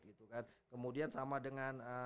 gitu kan kemudian sama dengan